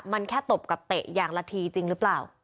มันแค่ตบกับเตะอย่างละทีจริงหรือเปล่า